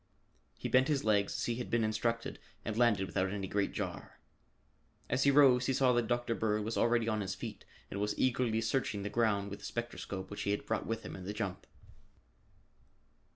He bent his legs as he had been instructed and landed without any great jar. As he rose he saw that Dr. Bird was already on his feet and was eagerly searching the ground with the spectroscope which he had brought with him in the jump.